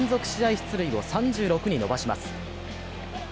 出塁を３６に伸ばします。